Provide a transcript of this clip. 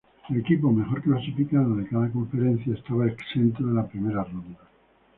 El equipo mejor clasificado de cada conferencia estaba exento de la primera ronda.